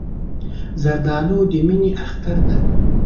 زردالو د مینې اختر دی.